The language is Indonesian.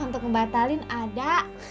untuk ngebatalin ada